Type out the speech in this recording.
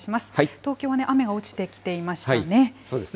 東京はね、雨が落ちてきていましたね。